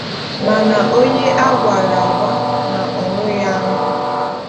mana onye a gwara agwa ma ọ nụghị anụ